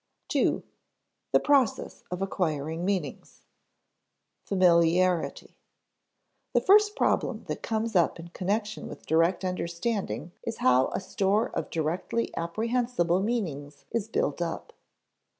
§ 2. The Process of Acquiring Meanings [Sidenote: Familiarity] The first problem that comes up in connection with direct understanding is how a store of directly apprehensible meanings is built up.